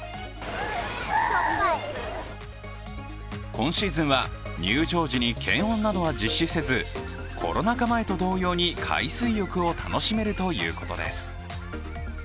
今シーズンは入場時に検温などは実施せずコロナ禍前と同様に海水浴を楽しめるといいます。